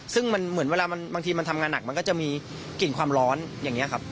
ซึ่งมันเหมือนเวลาบางทีมันทำงานหนักมันก็จะมีกลิ่นความร้อนอย่างนี้ครับ